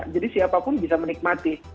jadi siapapun bisa menikmati